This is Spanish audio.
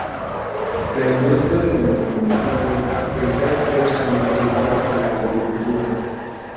La industria de nuestro municipio esta estrechamente igual a la agricultura.